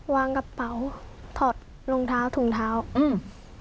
วางกระเป๋าถอดรองเท้าถุงเท้าอืม